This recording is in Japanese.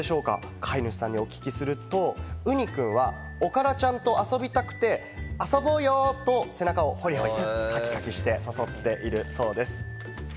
飼い主さんにお聞きすると、うにくんはおからちゃんと遊びたくて、遊ぼうよ！と背中をホリホリして誘っているそうです。